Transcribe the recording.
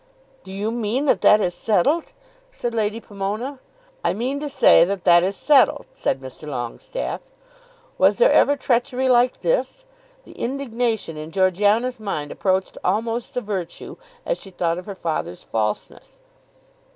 "Do you mean that that is settled?" said Lady Pomona. "I mean to say that that is settled," said Mr. Longestaffe. Was there ever treachery like this! The indignation in Georgiana's mind approached almost to virtue as she thought of her father's falseness.